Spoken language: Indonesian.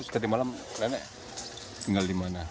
tadi malam nenek tinggal di mana